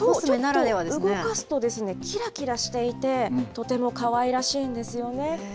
ちょっと動かすときらきらしていて、とてもかわいらしいんですよね。